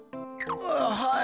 はい。